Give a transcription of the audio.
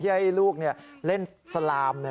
ที่ที่ให้ลูกเล่นสลามนะ